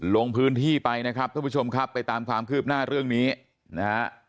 ลงพื้นที่ไปนะครับท่านผู้ชมครับไปตามความคืบหน้าเรื่องนี้นะฮะ